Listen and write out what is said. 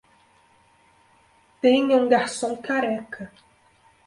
Tenha um garçom careca